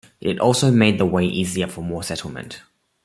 It also made the way easier for more settlement.